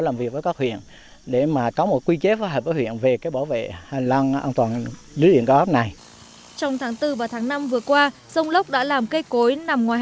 và quen với các huyện để có một quy chế phát hợp với huyện về bảo vệ hành lang an toàn lưới điện cấp này